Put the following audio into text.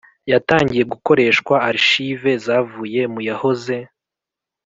Yatangiye gukoreshwa archives zavuye mu yahoze